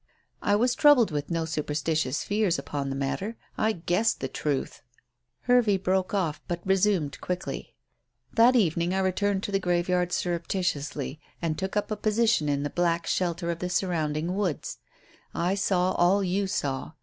I was troubled with no superstitious fears upon the matter. I guessed the truth." Hervey broke off, but resumed quickly. "That evening I returned to the graveyard surreptitiously, and took up a position in the black shelter of the surrounding woods. I saw all you saw.